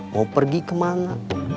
mau pergi kemana